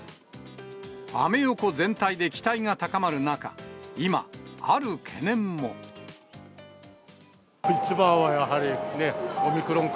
アメ横全体で期待が高まる中、一番はやはりね、オミクロン株。